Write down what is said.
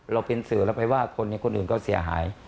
เป็นสื่อแล้วไปว่าคนนี้คนอื่นก็เสียหาย